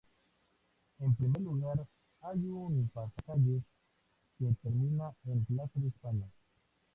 En primer lugar hay un pasacalles, que termina en Plaza de España.